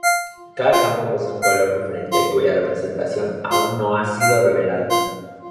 Cada campo posee un color diferente cuya representación aún no ha sido revelada.